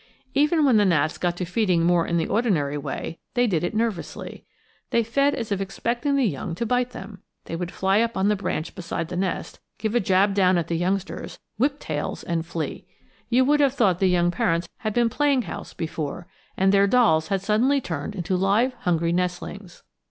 Even when the gnats got to feeding more in the ordinary way, they did it nervously. They fed as if expecting the young to bite them. They would fly up on the branch beside the nest, give a jab down at the youngsters, whip tails and flee. You would have thought the young parents had been playing house before, and their dolls had suddenly turned into live hungry nestlings.